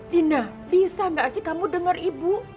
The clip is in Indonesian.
dina bisa nggak sih kamu dengar ibu